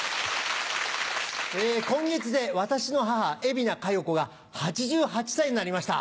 今月で私の母海老名香葉子が８８歳になりました